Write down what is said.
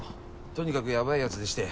とにかくヤバいやつでして。